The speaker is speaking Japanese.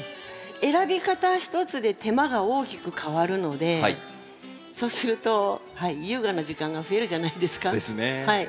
選び方ひとつで手間が大きく変わるのでそうすると優雅な時間が増えるじゃないですか。ですね。